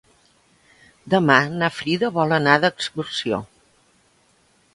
Demà na Frida vol anar d'excursió.